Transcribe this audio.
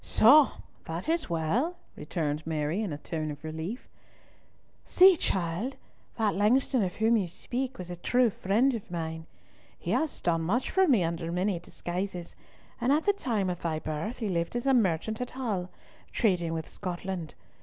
"Soh! that is well," returned Mary, in a tone of relief. "See, child. That Langston of whom you speak was a true friend of mine. He has done much for me under many disguises, and at the time of thy birth he lived as a merchant at Hull, trading with Scotland.